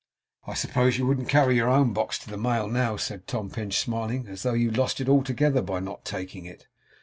'I suppose you wouldn't carry your own box to the mail now?' said Tom Pinch, smiling; 'although you lost it altogether by not taking it.